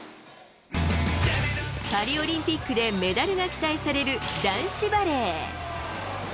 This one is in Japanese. パリオリンピックでメダルが期待される男子バレー。